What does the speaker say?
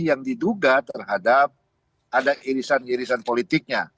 yang diduga terhadap ada irisan irisan politiknya